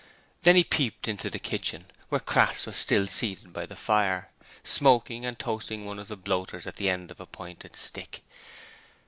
Then he peeped into the kitchen, where Crass was still seated by the fire, smoking and toasting one of the bloaters at the end of a pointed stick.